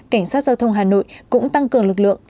cảnh sát giao thông hà nội cũng tăng cường lực lượng